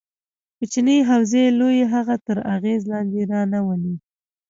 کوچنۍ حوزې لویې هغه تر اغېز لاندې رانه ولي.